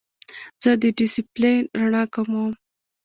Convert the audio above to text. زه د ډیسپلې رڼا کموم.